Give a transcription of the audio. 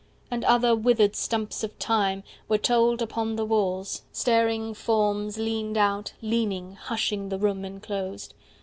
And other withered stumps of time Were told upon the walls; staring forms 105 Leaned out, leaning, hushing the room enclosed.